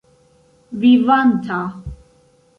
vivanta